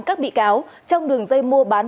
các bị cáo trong đường dây mua bán